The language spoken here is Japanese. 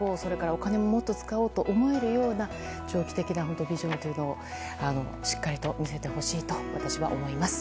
お金ももっと使おうという長期的なビジョンというのをしっかりと見せてほしいと私は思います。